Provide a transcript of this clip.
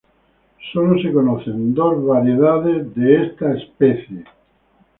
Solamente dos especies son conocidas en esta especie.